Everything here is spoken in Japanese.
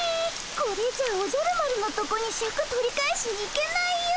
これじゃあおじゃる丸のとこにシャク取り返しに行けないよ。